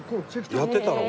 やってたの？